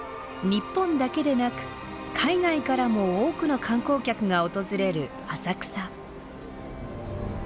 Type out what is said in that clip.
日本だけでなく海外からも多くの観光客が訪れる浅草。